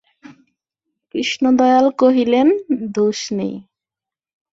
কৃষ্ণদয়াল কহিলেন, দোষ নেই!